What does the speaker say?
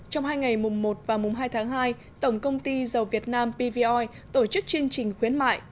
trong hai ngày mùng một và mùng hai tháng hai tổng công ty dầu việt nam pvoi tổ chức chương trình khuyến mại